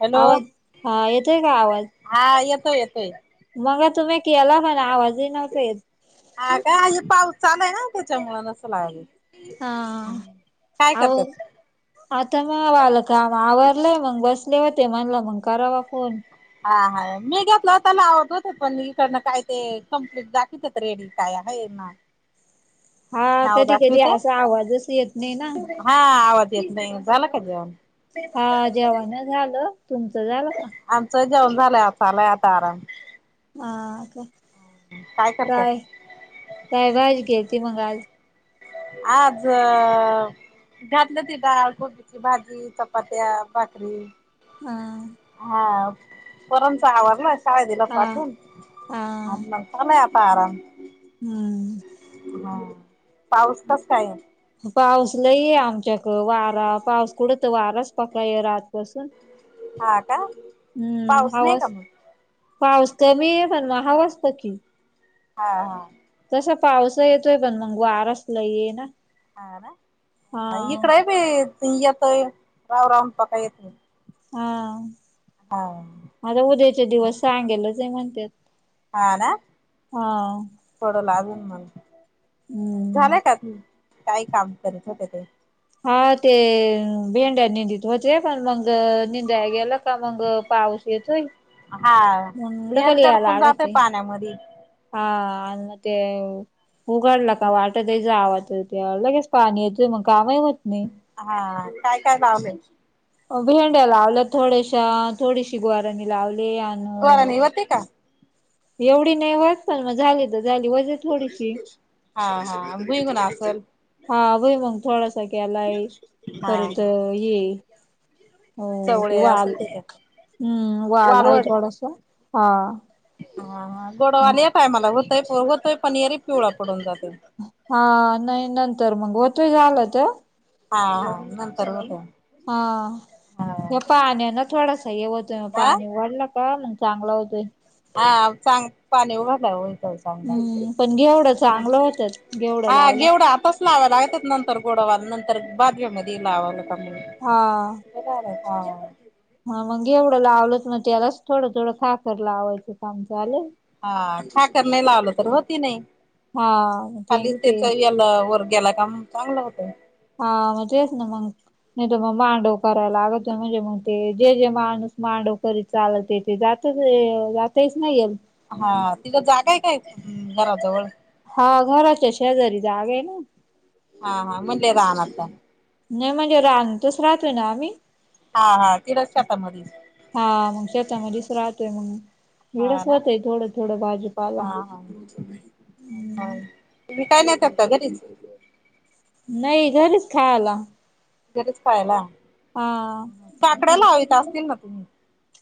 Hello आवाज हा येतोय काय आवाज? हा येतोय येतोय. मगा तुम्ही केला पण आवाज इना फिर. हा काय आल पाऊस चालू हाय ना त्याच्यामुळं नसल आवाज येत. हा काय आवर. करतात आता मग वा आलं काम आवरलंय मग बसले होते म्हणलं मग करावा फोन. हा हा मी घेतल होता होता लावत होते पण इकडनं काय ते कम्प्लीट दाखवतेत रेडी काय हाय ना. हा नाव कधी कधी दाखविते असा आवाजच येत नाय ना. हा आवाज येत नाय, झाला का जेवण? हा जेवण झालं तुमचं झालं का? आमचं जेवण झालंय चालू हाय आता आराम हा काय काय काय भाजी केली ती मग आज आज घातली होती डाळ, कोबीची भाजी, चपात्या भाकरी. हा हा पोराचा आवाज नाही शाळे दिला हा पाठून हा चालू हाय आता आराम हम्म हा पाऊस कस हाय पाऊस लय आमच्या वारा पाऊस कुठंत वाराच पकड रातपासून हा का हम्म पाऊस नाही हवाच का मग? पाऊस कमी आहे पण हवा खुप की हा हा तसा पावसा येतोय पण मग वाराच लय ना हा हा ना इकड आहे बी येतोय राव रावताका येत हा ह माझ उद्याचे दिवस सांगेलच हे म्हणतात. हा ना थोड [unintelligible] मग. हम्म झालाय का काय काम करायच होते ते. हा ते भेंड्या निेंदत होते पण मग निंदा गेला का मग पाऊस येतोय. हा मग एर डबल याय दडपून जातय लागतय पाण्यामधी. हा आन ते उघाडला का वाटत त्याचा आवाज येतोय लगेच पाणी येत मग कामही होत नाही. हा काय काय लावलय. भेंड्या लावल्या थोड्याशा थोडीशी गुवारांनी लावली आण गोरानी होती का एवढी नाही होत पण मग झाली तर झाली वजेच हा हा भूई मुग असल. हा भुईमुग मग थोडासा केलाय हा परत ये हो ते चवळे वाल असेल त्याच्यात हम् वाल आहे वालवड थोडासा हा हा हा गोडवाले येत आहे पण होतय मला होतय होतोय पिवळा पडून जातोय. हा नाही नंतर मग होतोय झालं तर हा हा नंतर बघूया. हा या पाण्यान थोडासा हे होतोय हा आ पाणी वाढलं का म्हग चांगला होतोय. हा चांगल पाणी भरलाय होईल तवर हम्म पण घेवढं चांगलं होतत घेवढं हा लावलं घेवढा आताच लावा लागतात नंतर गोडवाला नंतर बदममध्ये लावा ला होता. हा हा हा मग एवढं लावलंच मग त्यालाच थोडं थोडं खाकर लावायचं काम झाले. हा ठाकर नाही लावलं तर होती नाही. हा ते खालीच त्याच ते यल वरगेला का मग चांगलं होतं. हा म तेच ना मग. नाही त मग मांडव करायला लागत. म्हणजे मग ते जे जे माणूस मांडव करीत चालल तेथे जातच जातेच ना यल. हा तिथं जागाय काय? घराजवळ? हा घराच्या शेजारी जागाय ना. हा हा म्हणले रांनात का? नाही म्हणजे रानातच राहतोय ना आम्ही. हा हा तिथंच शेतामध्येच हा मग शतामध्येच राहतोय मग. हा एवढंच ना. होतय थोडं थोडं भाजीपाला हा हा [unintelligible] विकायला नेतात का घरीच? नाही घरीच खायला. घरीच खायला. हा. काकड्या लावित असतील ना तुम्ही?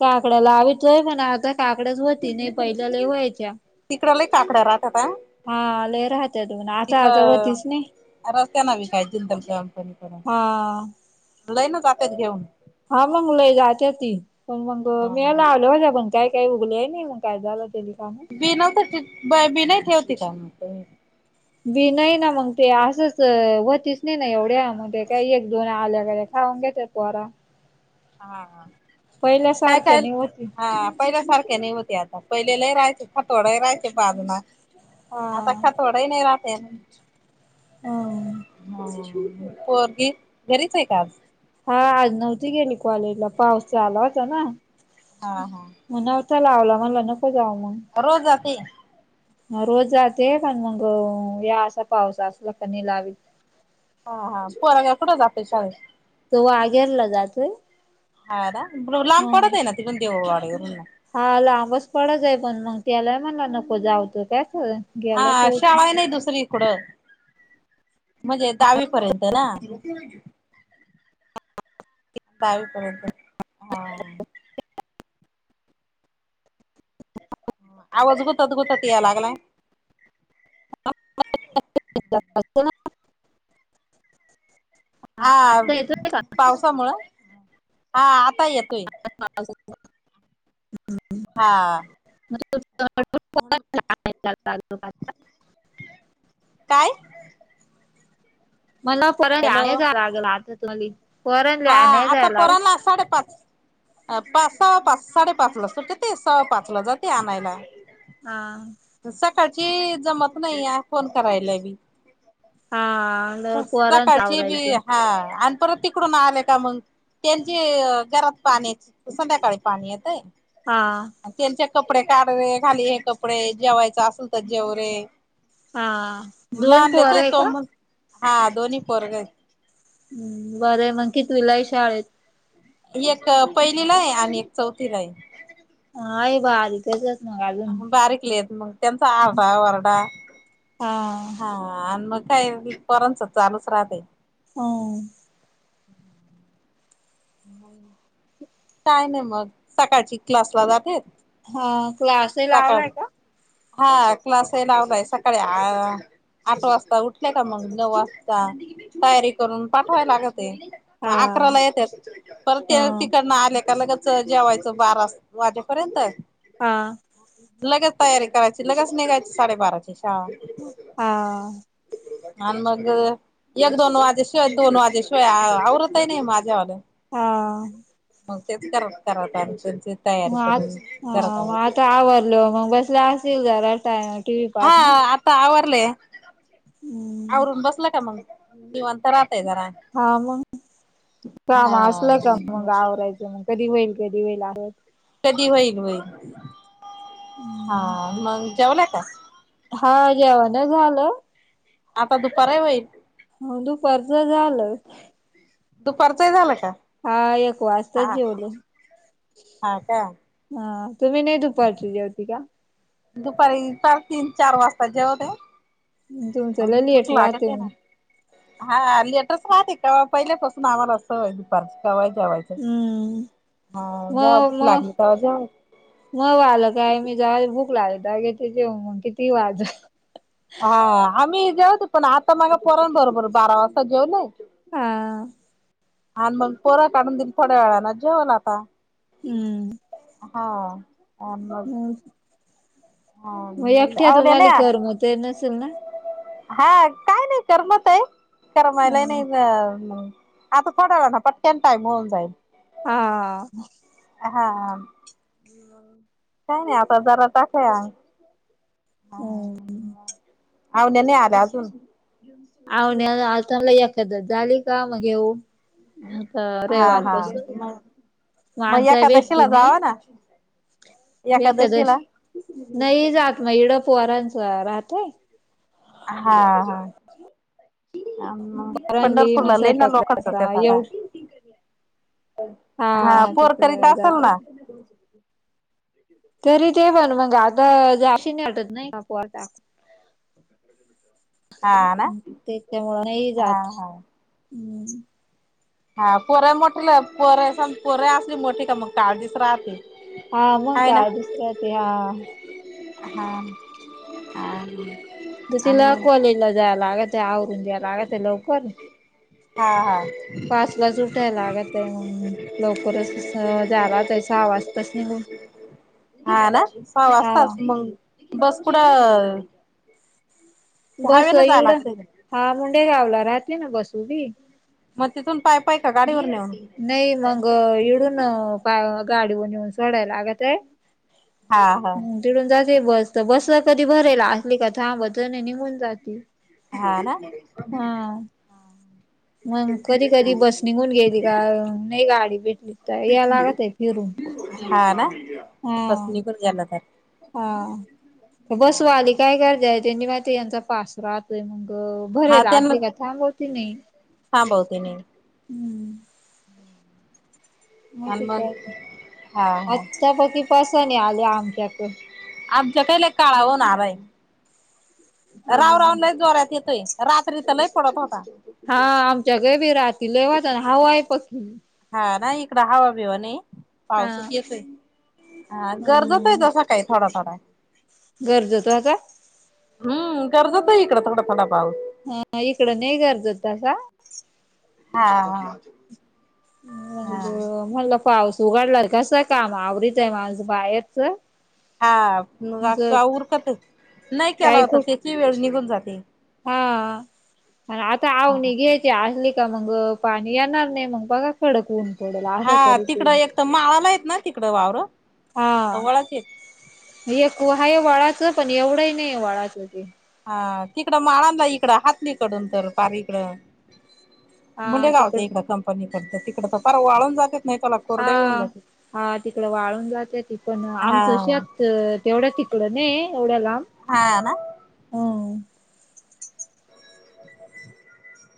काकडाला लावितो पण आता काकड्याच होती नाही. पहिल्याला व्हायच्या. थोड्या राहता का? हा लई राहते तन. आता आता होतीच नाही. रस्त्याने विकायची ना [unintelligible] नपणी हा. लईन जातेत घेऊन. हा मग लय जात्याती. पण मग मी लावल्या होत्या. पण काही काही उगल्या नाही. मग काय झालं तेल काणू? बि नवत ठे, बि नाही ठेवती का मग तुम्ही? बी नाही ना मग, ते असंच होतीस नाही ना एवढ्या म ते काय एक दोन. आलेका ते खाऊंन घेतात पोरा. हा, हा. काय पहिल्यासारख्या काय? नाही होती हा. पहिल्यासारखे नाही होती आता. पहिलेले लई राहायचे खातोडा राहायचे बाजून. हा आता खातोड काही नाही राहत्या. हम ह. [inaudible] पोरगी, घरीचे का आज? हा आज नव्हती गेली कॉलेज ला. पाऊस आला होता ना. हा ह. म णवता लावला. म्हणल नको जाव मग. रोज जातेय. रोज जाते. पण मग, या असा पाऊस असला का नाही लावीत. हा हा पोरग्या कुठं जाते शाळेत? तो वागेरला जातोय. हा ना. लांब ह पडतय ना, तिडुन देववाडी वरुन म. हा लांबच पडतय पण मग, त्याला म्हणला नको जाऊ तो कायच. हा शाळा नाही दुसरी इकडं. म्हणजे दहावी पर्यंत ना. ते. [inaudible] दावीपर्यंत. हा. ह. [inaudible] आवाज गुतत गुतत याय लागलाय. [inaudible] हा आता येतो पावसामुंळ हा आता येतोय. [inaudible] हम्म. [inaudible] हा, [inaudible] काय. मला परत हॅलो [inaudible] हा आणाय आता जायला लागल पोरना साडेपाच. अ पाच सव्वा पाच साडेपाचला सुट्टते सव्वा पाचला जाते आणायला. हा, सकाळची जमतं नाही या फोन करायला बी. हा लय पोरांच काटाळची बी आवरायचं हा आन. परत तिकडून आले का मग त्यांचे घरात पाणी संध्याकाळी पाणी येतंय. हा आ, त्यांचे कपडे काढ रे घाल हे कपडे जेवायचं असेल तर जेवरे. हा दोन पोरय तो का. मग हा दोन्ही पोरग हाय. हम बरं मग कितवीला हाय शाळेत. एक पहिलीला आहे आणि एक चौथीला हाय. हा हे बारीकच. मग बारीकलेत मग त्यांचा आरडा वरडा. हा हा आणि मग काय पोरांच चालूच राहते. हो, मग. काय नाही मग सकाळची क्लास ला जातेत हा क्लास सकाळ. लावलाय का हा क्लास हे लावलेला सकाळी अ आठ वाजता उठ''--'' दे का मग नऊ वाजता तयारी करून पाठवाय लागते. मग हा अकराला येत्यात परत हा ती''--'' आले का लगेच जेवायचं बारा वाजेपर्यंत. हा, लगेच तयारी करायची लगेच निघायचं साडेबाराची शाळा. हा, आन मग. एक-दोन वाजे शिवाय दोन वाजे शिवाय आवरतही नाही माझ्याविना. हा आ, मग तेच करतं करतं आ त्यांचं. मग आ हा मग आता आवरल मग बसला असेल जरा टाइम. हा आता आवरले हम्म आवरून बसला का मग. निवांत राहतयं जरा. हा मग काम हा असलं का मग आवरायचं मग. कधी होईल कधी होईल आहो. कधी होईल वय हा हम्म मग जेवलाय का. हा जेवण झालं. आता दुपारही होईल‌. ‍‍‍‍‍ हो दुपारचं झालं. दुपारचंही झालं का? हा, एक वाजताच हा जेवलो. हा का हा, तुम्ही नाही दुपारची जेवती का? दुपारी पार तीन-चार वाजता जेवते. तुमचं पण लय भुक लेट राहते लागतेय ना? मग हा, लेटच राहते कवा पहिल्यापासून आम्हाला सवये दुपारची कवाही जेवायची. हम्म हा, जेव्हा मग भुक लागली मग तेव्हा जेवाय मग आलं काय मी जव भूक लागेल तेव्हा घेते जेवून मग किती वाज हा, आम्ही जेऊतो ना, पण आता माग पण बरोबर बारा वाजता जेवले हा. आणि मग पोर काढून दिन थोड्या वेळा ना जेवल आता. हम्म. हा, आ मग हा, मग एकट्यातून [unintelligible] मालिकेवर मग ते नसेल ना हा, काय नाही करमत आहे, करमायला नाही हा आता थोड्या वेळानी पटक्यान टाईम होऊन जाईल. हा. हा, काही नाही आता जरा टाकय हा, हम्म आवण्या नाही आला अजून? आवन्या आता मला [unintelligible] झाली का मग येऊ. आता हा रविवार हा पासून मग [unintelligible] वेट एकादशीला कि नाही. जावा ना एकादस, एकादशीला नाही जात मग इड पवारांच राहतय. हा, हा. हा म, पोरांली मग पंढरपूरला [unintelligible] ना स्वयंपाक लोकच करायचा देता का एवढ हा, पोर करीत तिकडे असंल जातात. ना? तरी ते पण मग, आता [unintelligible] वाटत नको आता. हा ना त्याच्यामुळ नाही हा जात, हा हम्. हा, पोर मोठी पोर स पोर असली मोठी का मग, काळजीच राहते. हा, मग आहे ना काय दुसर ते हा. हा हां. दुसरीला कॉलेजला जायला लागत, आवरून द्यायला लागतं लवकर. हा, हा. पाचलाच उठाय लागतय, लवकरच झाला तर सहा वाजताच निघून. [inaudible] हा ना, सहा हा वाजताात बस कुठ बस इगड्, लागतय का हा मडंयी गावला राहते ना बस उभी. मग तिथून पाय पाय का गाडीवर नेऊन नाही मग इडून गाडीवर येऊन सोडायला लागतंय. हा, हा. चिडून जाते बस, तर बसला कधी भरेल, असली का थांबत नाही निघून जाते. हा ना. हा मग कधी कधी बस निघून गेली का, नाही गाडी भेटली. तर या लागतय फिरून, हा. तो गेला ताय. हा बस व आली काय करतेय त्यांनी माहिती यांचा पास राहतोय मंग. हा भरेल त्यांना असलीं का थांबवती नाही थांबवते नाही हूं. [inaudible] आणि मशी मग काय, हा हा आता पकी पासाने आले आमच्या क. आमच्या क लयी काळा होऊन आला हे. राऊ, हा. राऊ लयी जोऱ्यात येतोय, रात्री त लयी पडत होता. हा आमच्याक बी रात हा ना इकड हवाबीवा नाही हा. पाऊसच येतोय. ह गरजत आहे हम्म तसा काही थोडा, थोडा. गरज तो का? हूं गरजतो हे इकंङ थोडा थोडा पाऊस. ह इकडं नही गरज त आता. हा हा! मंग म्हणलं पाऊस उघडलाय कसं काम आवरीतय माझ बाहेरच. हा मगं अक्का उरकत, नाही काय केला त खूप त्याची वेळ निघून जाती. हा आण आता आवनि घे यची असली का मंग पाणी येणार नाही मग बघा. कडक ऊन पडेल असं हा करीत तिकडं एक तर माळाला हेत ना तिकडं वावरं. हा वळाचे आहेत. एक आहे वळाच पण एवढंही नाही, आहे वळाचं ते. हा तिकडं माळांंना इकडं हाथनी कडून तर पार इकडं. हा मुंडेगावं च्या तिकड इकड कंपनीकड तर तिकड तर पार वाळून जात्यात नाही [unintelligible] हा कोरडे होऊन जात्यात. हा तिकडं वाळून जात्यां, ती पण हा आमचं शेत तेवढ्या तिकड नहीये एवढ्या लांब. हा ना! हं! [inaudible]